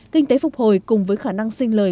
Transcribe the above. kinh tế phục hồi cùng với khả năng sinh lời